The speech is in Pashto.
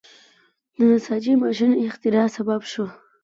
د نساجۍ ماشین اختراع سبب شو.